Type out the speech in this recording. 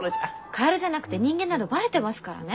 カエルじゃなくて人間なのバレてますからね。